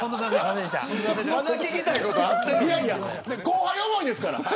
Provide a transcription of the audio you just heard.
後輩思いですから。